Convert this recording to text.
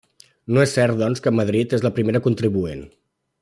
No és cert doncs que Madrid és la primera contribuent.